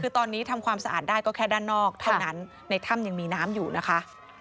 คือตอนนี้ทำความสะอาดได้ก็แค่ด้านนอกเท่านั้นในถ้ำยังมีน้ำอยู่นะคะ